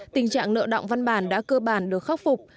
tình trạng nợ động văn bản đã cơ bản được khắc phục